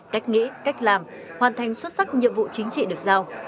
cách nghĩ cách làm hoàn thành xuất sắc nhiệm vụ chính trị được giao